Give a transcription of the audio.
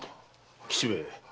吉兵衛